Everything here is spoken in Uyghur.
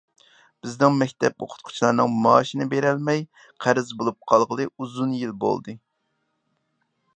بىزنىڭ مەكتەپ ئوقۇتقۇچىلارنىڭ مائاشىنى بېرەلمەي، قەرز بولۇپ قالغىلى ئۇزۇن يىل بولدى.